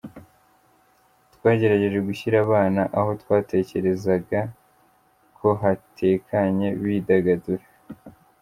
Twagerageje gushyira abana aho twakerezaga ko hatekanye bidagadura.